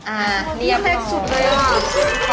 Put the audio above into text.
อ่าเลี้ยงเล็กสุดเลยค่ะ